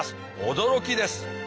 驚きです。